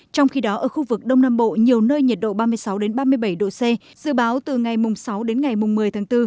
trong khi đó ở khu vực đông nam bộ nhiều nơi nhiệt độ ba mươi sáu ba mươi bảy độ c dự báo từ ngày mùng sáu đến ngày một mươi tháng bốn